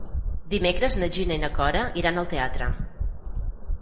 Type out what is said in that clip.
Dimecres na Gina i na Cora iran al teatre.